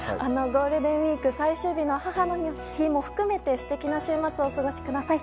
ゴールデンウィーク最終日の母の日も含めて素敵な週末をお過ごしください。